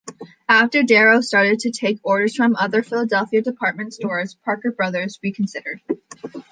After Darrow started to take orders from other Philadelphia department stores, Parker Brothers reconsidered.